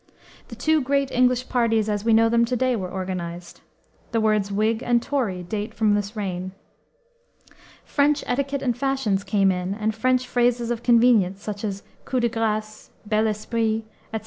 The two great English parties, as we know them to day, were organized: the words Whig and Tory date from this reign. French etiquette and fashions came in and French phrases of convenience such as coup de grace, bel esprit, etc.